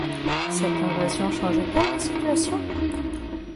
Cette invasion changeait-elle la situation ?